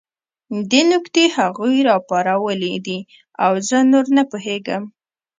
دې نکتې هغوی راپارولي دي او زه نور نه پوهېږم